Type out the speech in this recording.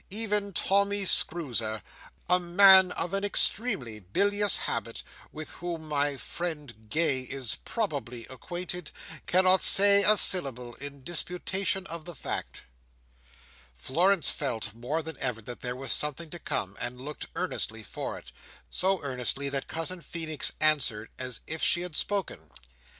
Even Tommy Screwzer,—a man of an extremely bilious habit, with whom my friend Gay is probably acquainted—cannot say a syllable in disputation of the fact." Florence felt, more than ever, that there was something to come; and looked earnestly for it. So earnestly, that Cousin Feenix answered, as if she had spoken.